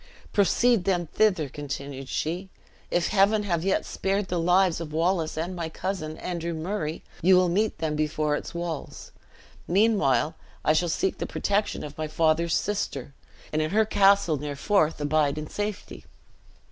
"Proceed then thither," continued she. "If Heaven have yet spared the lives of Wallace and my cousin, Andrew Murray, you will meet them before its walls. Meanwhile I shall seek the protection of my father's sister, and in her castle near the Forth abide in safety.